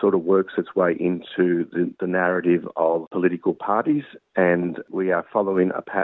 pemimpin pemimpin anti migran